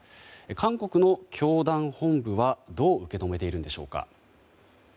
韓国の教団本部は、どう受け止めているんでしょうか。